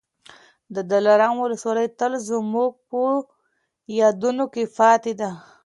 د دلارام ولسوالي تل زموږ په یادونو کي پاتې ده.